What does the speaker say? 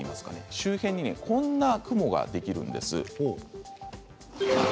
周辺にこんな雲ができるんです。